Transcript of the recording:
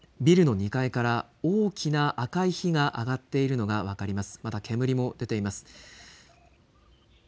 この正面のビルの２階から大きな赤い火が上がっているのが分かります。